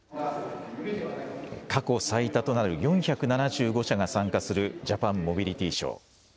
過去最多となる４７５社が参加するジャパンモビリティショー。